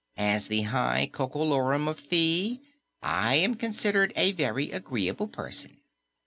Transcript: As the High Coco Lorum of Thi, I am considered a very agreeable person."